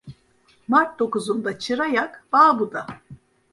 Mart dokuzunda çıra yak, bağ buda.